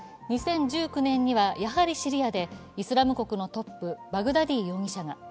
２０１９年にはやはりシリアでイスラム国のトップ、バグダディ容疑者が。